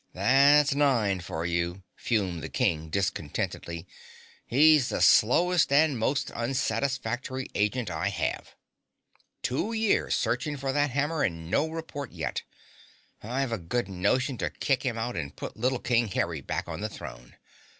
"That's Nine for you," fumed the King discontentedly. "He's the slowest and most unsatisfactory agent I have. Two years searching for that hammer and no report yet. I've a good notion to kick him out and put little King Kerry back on the throne.